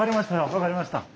分かりました。